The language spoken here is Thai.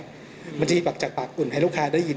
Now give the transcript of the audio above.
เหมือนจะหีบอสขากปากอุ่นให้ลูกค้าได้ยิน